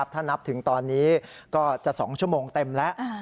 ถ้านับถึงตอนนี้ก็จะ๒ชั่วโมงเต็มแล้ว